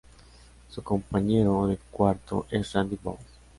Su compañero de cuarto es Randy Boggs.